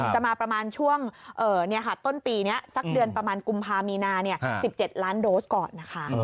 จะมาประมาณช่วงต้นปีนี้สักเดือนประมาณกุมภามีนา๑๗ล้านโดสก่อนนะคะ